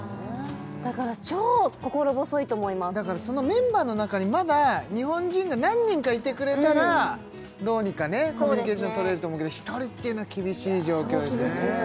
だから超心細いと思いますだからそのメンバーの中にまだ日本人が何人かいてくれたらどうにかねコミュニケーションとれると思うけど１人っていうのは厳しい状況ですね